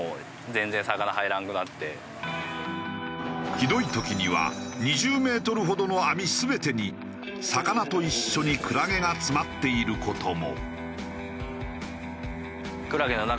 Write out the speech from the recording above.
ひどい時には２０メートルほどの網全てに魚と一緒にクラゲが詰まっている事も。